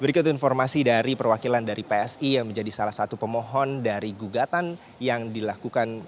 berikut informasi dari perwakilan dari psi yang menjadi salah satu pemohon dari gugatan yang dilakukan